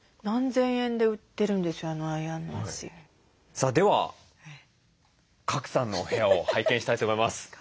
さあでは賀来さんのお部屋を拝見したいと思います。